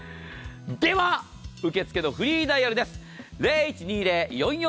では、受け付けフリーダイヤルです。